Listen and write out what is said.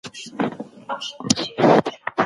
دا وده لا هم دوام لري.